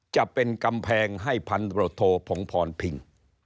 จะเป็นกำแพงให้พันตรวจโทผงพรพิง